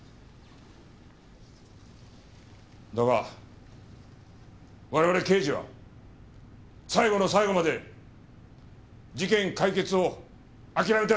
だが我々刑事は最後の最後まで事件解決を諦めてはいけない！